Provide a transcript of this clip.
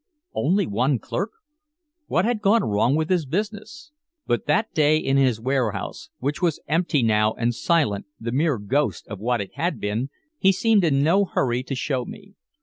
Only one clerk! What had gone wrong with his business? But that day in his warehouse, which was empty now and silent, the mere ghost of what it had been, he seemed in no hurry to show me.